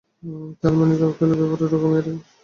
তার মানে কি অকল্টের ব্যাপারে রোগা মেয়েরাই বেশি উৎসাহী?